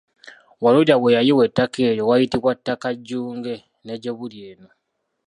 Walulya we yayiwa ettaka eryo wayitibwa Ttakajjunge ne gye buli eno.